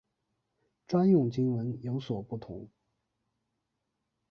专用经文有所不同。